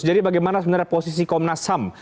jadi bagaimana sebenarnya posisi komnas ham